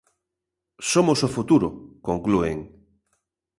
"Somos o futuro", conclúen.